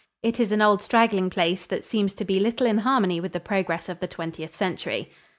It is an old, straggling place that seems to be little in harmony with the progress of the Twentieth Century.